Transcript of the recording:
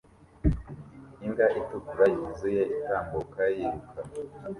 Imbwa itukura yuzuye itambuka yiruka